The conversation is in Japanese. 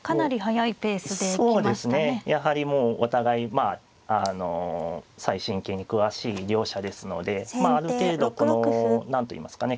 やはりもうお互いまああの最新型に詳しい両者ですのである程度この何といいますかね